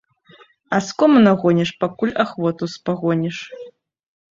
Аскому нагоніш, пакуль ахвоту спагоніш.